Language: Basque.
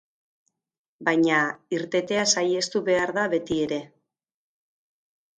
Baina, irtetea saihestu behar da betiere.